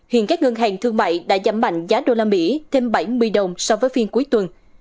hiện các ngân hàng thương mại đã giảm mạnh giá usd thêm bảy mươi đồng so với phiên cuối tuần